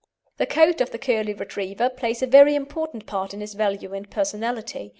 The coat of the curly Retriever plays a very important part in his value and personality.